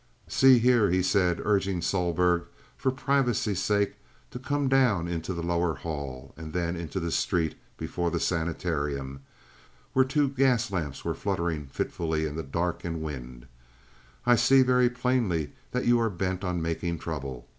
"See here," he said, urging Sohlberg, for privacy's sake, to come down into the lower hall, and then into the street before the sanitarium, where two gas lamps were fluttering fitfully in the dark and wind, "I see very plainly that you are bent on making trouble.